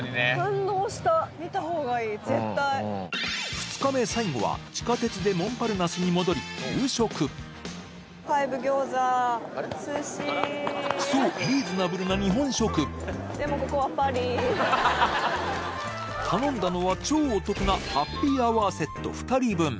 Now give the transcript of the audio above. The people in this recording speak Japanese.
２日目最後は地下鉄でモンパルナスに戻り夕食そう頼んだのは超お得なハッピーアワーセット２人分